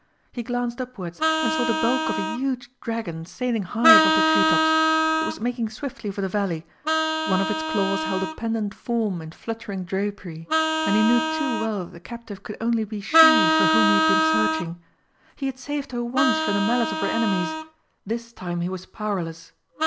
He glanced upwards, and saw the bulk of a huge dragon sailing high above the tree tops. It was making swiftly for the valley; one of its claws held a pendent form in fluttering drapery, and he knew too well that the captive could only be she for whom he had been searching. He had saved her once from the malice of her enemies this time he was powerless!